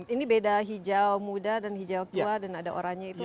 ini beda hijau muda dan hijau tua dan ada oranye itu